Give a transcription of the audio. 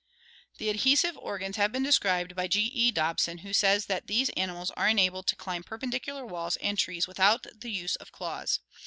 The adhesive organs have been described by G. E. Dobson, who says that these animals are enabled to climb perpendicular walls and trees with out the use of claws.